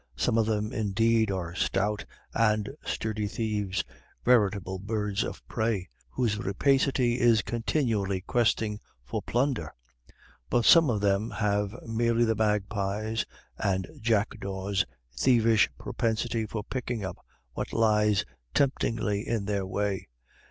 Some of them, indeed, are stout and sturdy thieves, veritable birds of prey, whose rapacity is continually questing for plunder. But some of them have merely the magpies' and jackdaws' thievish propensity for picking up what lies temptingly in their way.